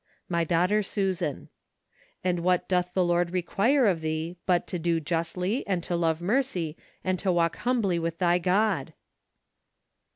My Daughter Susan. " rind what doth the Lord require of thee, hut to do justly, and to love mercy, and to walk humbly with thy God?"